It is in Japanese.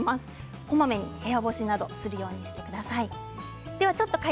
こまめに部屋干しなどするようにしてください。